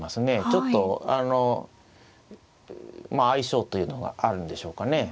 ちょっとあのまあ相性というのがあるんでしょうかね。